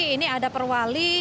ini ada perwali